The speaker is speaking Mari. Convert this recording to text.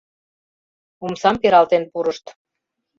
Омсам пералтен пурышт.